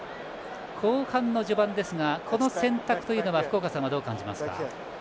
後半の序盤ですが、この選択は福岡さん、どう感じますか。